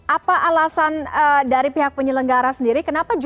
apa alasan dari pihak penyelenggara sendiri kenapa